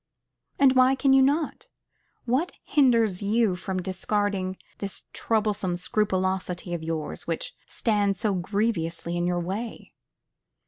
And why can you not? What hinders you from discarding this troublesome scrupulosity of yours which stands so grievously in your way?